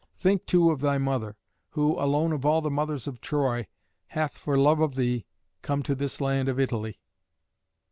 Think, too, of thy mother, who, alone of all the mothers of Troy, hath, for love of thee, come to this land of Italy."